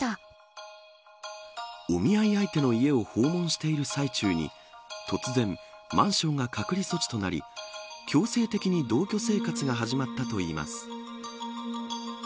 お見合い相手の家を訪問している最中に突然マンションが隔離措置となり強制的に同居生活が始まったといいます。